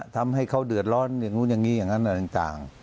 ทำให้เขาเดือดร้อนอย่างนู้นอย่างนี้อย่างนั้นอะไรต่าง